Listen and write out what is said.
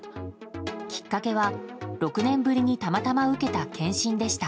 きっかけは、６年ぶりにたまたま受けた検診でした。